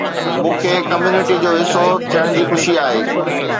مون کي ڪميونٽي جو حصو ٿيڻ جي خوشي آهي